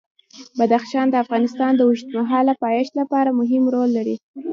بدخشان د افغانستان د اوږدمهاله پایښت لپاره مهم رول لري.